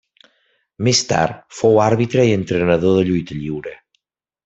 Més tard fou àrbitre i entrenador de lluita lliure.